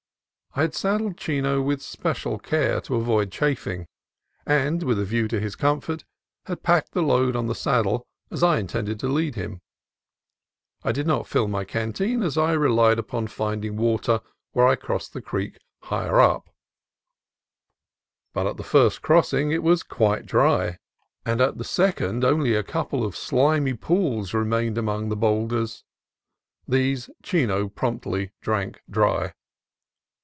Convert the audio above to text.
I had saddled Chino with special care, to avoid charing, and, with a view to his comfort, had packed the load on the saddle, as I intended to lead him. I did not fill my canteen, as I relied upon finding water where I crossed the creek higher up; but at the first crossing it was quite dry, and at the 174 CALIFORNIA COAST TRAILS second only a couple of slimy pools remained among the boulders. These Chino promptly drank dry.